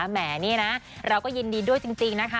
แหมนี่นะเราก็ยินดีด้วยจริงนะคะ